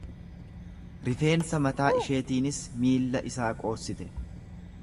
Rifeensa mataa isheetiinis miilla isaa qoorsite.